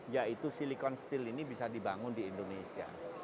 yaitu silicon steel ini bisa dibangun di indonesia